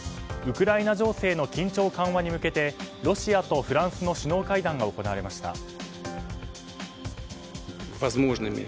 ウクライナ情勢の緊張緩和に向けてロシアとフランスの首脳会談が行われました。